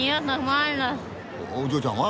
お嬢ちゃんは？